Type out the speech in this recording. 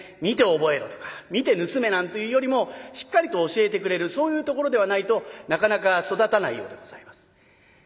見て覚えろとか見て盗めなんていうよりもしっかりと教えてくれるそういうところではないとなかなか育たないようでございます。